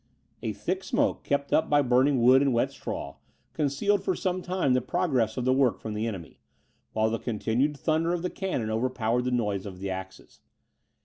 A thick smoke, kept up by burning wood and wet straw, concealed for some time the progress of the work from the enemy, while the continued thunder of the cannon overpowered the noise of the axes.